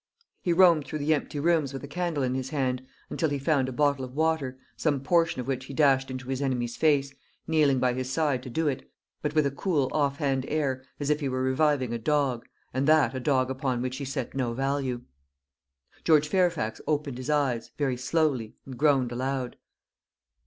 He roamed through the empty rooms with a candle in his hand until he found a bottle of water, some portion of which he dashed into his enemy's face, kneeling by his side to do it, but with a cool off hand air, as if he were reviving a dog, and that a dog upon which he set no value. George Fairfax opened his eyes, very slowly, and groaned aloud.